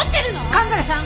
蒲原さん！